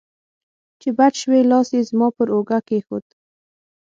چې بچ شوې، لاس یې زما پر اوږه کېښود.